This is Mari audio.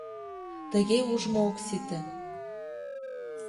— Тыге ужмо ок сите.